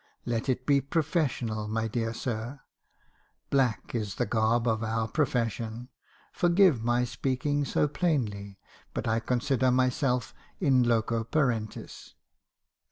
Let it be professional, my dear sir. Black is the garb of our pro me. haeeison's ckxntessioets. 243 fession. Forgive my speaking so plainly, but I consider myself in loco parentis?